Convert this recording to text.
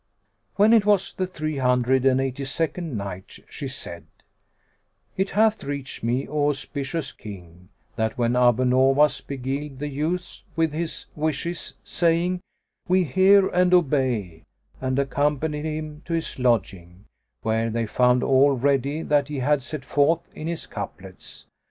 When it was the Three hundred and Eighty second Night, She said, It hath reached me, O auspicious King, that when Abu Nowas beguiled the youths with his wishes, saying, "We hear and obey;" and accompanied him to his lodging, where they found all ready that he had set forth in his couplets.